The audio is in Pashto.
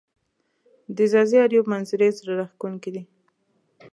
د ځاځي اریوب منظزرې زړه راښکونکې دي